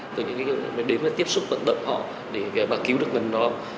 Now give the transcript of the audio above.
từ những cái đếm tiếp xúc tận tận họ để bà cứu được gần nó